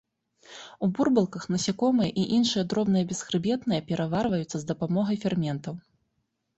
У бурбалках насякомыя і іншыя дробныя бесхрыбетныя пераварваюцца з дапамогай ферментаў.